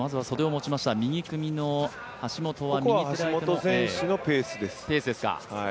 ここは橋本選手のペースです。